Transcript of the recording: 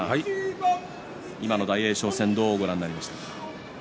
今の大栄翔戦どうご覧になりましたか？